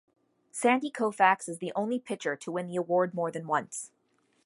Sandy Koufax is the only pitcher to win the award more than once.